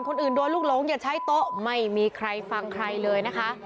คนอื่นโดนลูกหลงอย่าใช้โต๊ะไม่มีใครฟังใครเลยนะคะ